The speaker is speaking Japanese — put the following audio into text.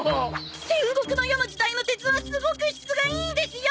戦国の世の時代の鉄はすごく質がいいんですよ！